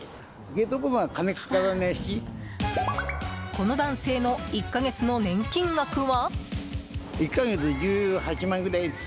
この男性の１か月の年金額は？